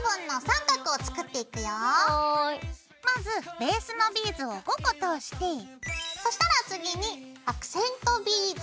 まずベースのビーズを５個通してそしたら次にアクセントビーズ。